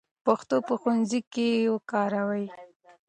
پښتو په ښوونځي کې وکاروئ.